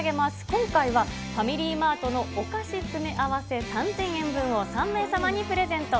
今回はファミリーマートのお菓子詰め合わせ３０００円分を３名様にプレゼント。